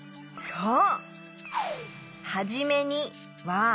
そう！